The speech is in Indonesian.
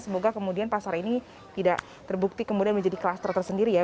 semoga kemudian pasar ini tidak terbukti kemudian menjadi kluster tersendiri ya